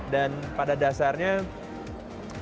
dan pada dasarnya mereka